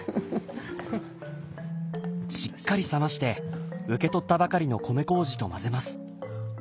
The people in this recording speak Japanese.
しっかり冷まして受け取ったばかりの米こうじと混ぜます。